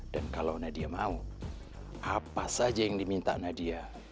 dan kalau nadia mau apa saja yang diminta nadia